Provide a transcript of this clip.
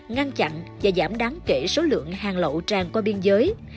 ngăn chặn và giảm đáng kể số lượng hàng lậu tràn qua biên giới